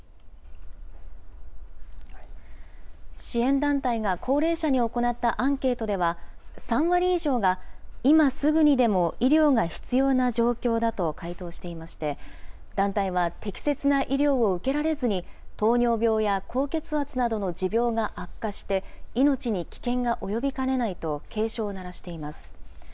支援団体が高齢者に行ったアンケートでは、３割以上が今すぐにでも医療が必要な状況だと回答していまして、団体は適切な医療を受けられずに、糖尿病や高血圧などの持病が悪化して、命に危険が及びかねないと警鐘を鳴らしています。